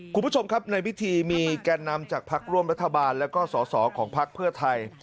คุณผู้ชมครับในพิธีมีแก่นำจากพักร่วมรัฐบาลแล้วก็สอสอของพักเพื่อไทย